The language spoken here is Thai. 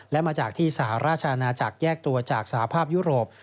และมาจากที่สหราชอาณาจักรแยกตัวจากสหภาพยุโรป